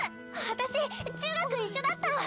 私中学一緒だった！